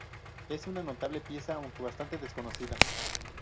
Es una notable pieza, aunque bastante desconocida.